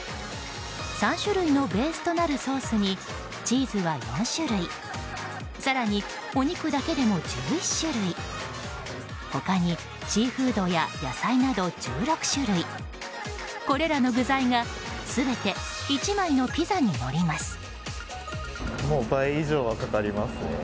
３種類のベースとなるソースにチーズは４種類更に、お肉だけでも１１種類他に、シーフードや野菜など１６種類これらの具材が全て１枚のピザにのります。